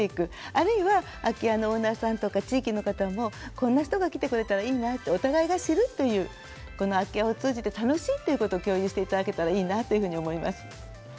あるいは空き家のオーナーさんとか地域の方もこんな人が来てくれたらいいなとお互いが知るというこの空き家を通じて楽しいっていうことを共有していただけたらいいなっていうふうに思います。